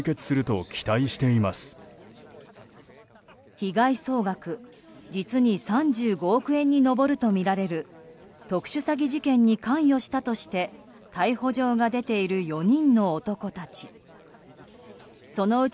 被害総額実に３５億円に上るとみられる特殊詐欺事件に関与したとして逮捕状が出ている４人の男たち。